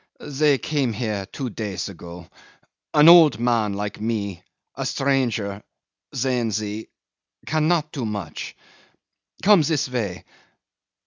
"They came here two days ago. An old man like me, a stranger sehen Sie cannot do much. ... Come this way.